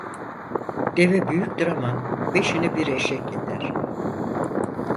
Deve büyüktür amma beşini bir eşek yeder.